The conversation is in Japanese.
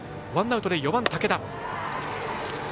ワンアウトで４番、武田。